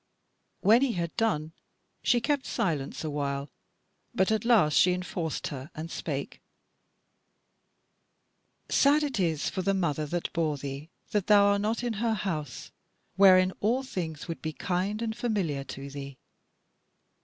When he had done, she kept silence a while, but at last she enforced her, and spake: "Sad it is for the mother that bore thee that thou art not in her house, wherein all things would be kind and familiar to thee.